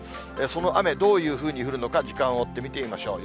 その雨、どういうふうに降るのか、時間を追って見てみましょう。